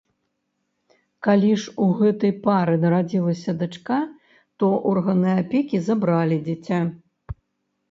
Калі ж у гэтай пары нарадзілася дачка, то органы апекі забралі дзіця.